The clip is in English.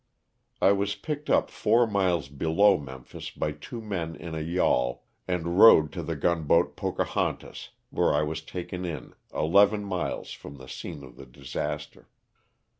J was picked up four miles below Memphis hy two men in a yawl and rowed to the gunboat '' J'ooa liontaH" where 1 was taken in, eleven miles from the scene of the disaster.